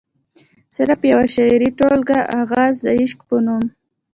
صرف يوه شعري ټولګه “اغاز َد عشق” پۀ نوم